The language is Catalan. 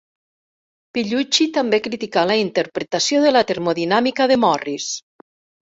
Pigliucci també criticà la interpretació de la termodinàmica de Morris.